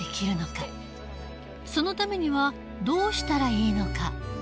そのためにはどうしたらいいのか。